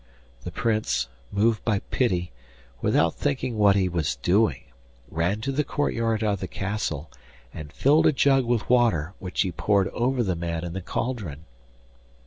The Prince, moved by pity, without thinking what he was doing, ran to the courtyard of the castle, and filled a jug with water, which he poured over the man in the cauldron.